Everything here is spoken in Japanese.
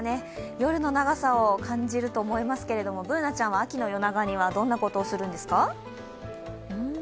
夜の長さを感じると思いますけどＢｏｏｎａちゃんは秋の夜長にはどんなことをするんですか？